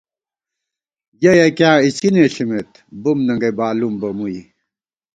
یہ یکِیاں اِڅِنے ݪمېت بُم ننگئ بالُوم بہ مُوئی